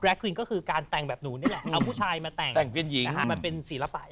แรกควีนก็คือการแต่งแบบหนูเนี่ยแหละ